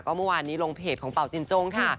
เมื่อวานนี้ลงเพจของเป่าจินจงค่ะ